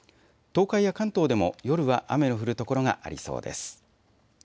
東海や関東でも夜は雨の降る所がありそうです。